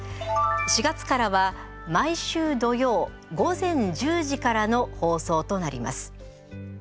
４月からは毎週土曜午前１０時からの放送となります。